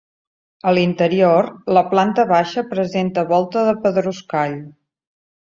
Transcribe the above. A l'interior, la planta baixa presenta volta de pedruscall.